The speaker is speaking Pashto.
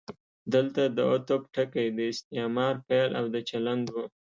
دلته د عطف ټکی د استعمار پیل او د چلند و.